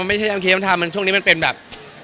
พี่บอยขอกลับไปเมื่อกี้ที่พี่บอยบอกว่า